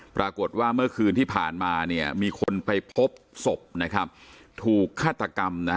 ปรากฏว่าเมื่อคืนที่ผ่านมามีคนไปพบศพถูกฆาตกรรม